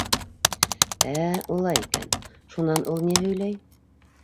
— Ә, улай икән, шунан ул ни һөйләй?